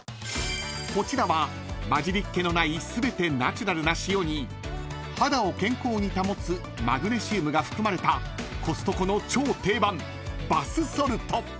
［こちらは混じりっ気のない全てナチュラルな塩に肌を健康に保つマグネシウムが含まれたコストコの超定番バスソルト！］